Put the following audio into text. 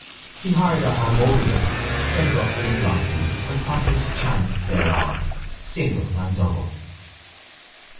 He hired a harmonium, set it up in his lodging, and practised chants thereon, single and double.